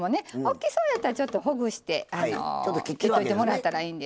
大きそうやったらちょっとほぐして切っといてもらったらいいんです。